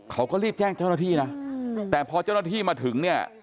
เขาก็รีบแจ้งเจ้าหน้าที่นะแต่พอเจ้าหน้าที่มาถึงเนี่ย